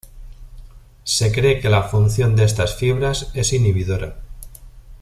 Se cree que la función de estas fibras es inhibidora.